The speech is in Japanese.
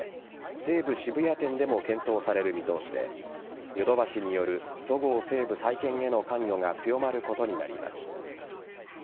西武渋谷店でも検討される見通しでヨドバシによるそごう・西武再建への関与が強まることになります。